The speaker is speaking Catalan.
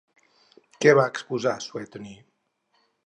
Què va exposar Suetoni?